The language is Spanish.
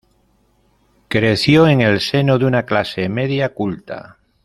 Creció en el seno de una clase media culta.